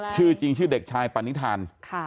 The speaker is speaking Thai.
ชื่อจริงชื่อเด็กชายปณิธาน